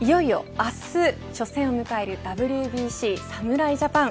いよいよ明日、初戦を迎えるＷＢＣ侍ジャパン。